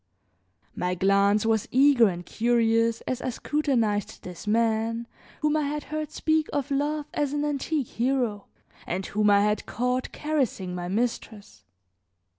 My glance was eager and curious as I scrutinized this man whom I had heard speak of love as an antique hero and whom I had caught caressing my mistress.